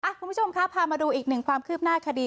คุณผู้ชมครับพามาดูอีกหนึ่งความคืบหน้าคดี